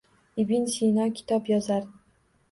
Ibn Sino kitob yozar.